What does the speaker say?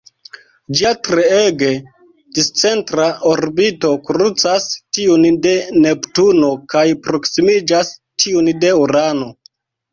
Ĝia treege discentra orbito krucas tiun de Neptuno kaj proksimiĝas tiun de Urano.